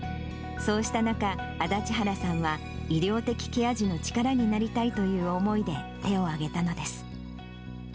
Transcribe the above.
そうした中、足立原さんは、医療的ケア児の力になりたいという思いで手を挙げたのです。